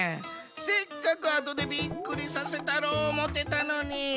せっかくあとでビックリさせたろうおもってたのに！